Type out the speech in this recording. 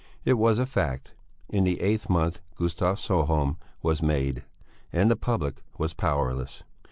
It was a fact. In the eighth month Gustav Sjöholm was made. And the public was powerless.